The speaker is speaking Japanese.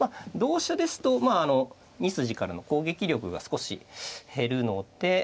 同飛車ですと２筋からの攻撃力が少し減るので。